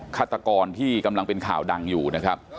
ฆาตกรที่กำลังเป็นข่าวดังอยู่นะครับ